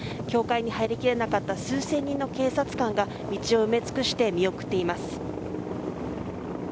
教会に入りきれなかった数千人の警察官が道を埋め尽くして見送っています。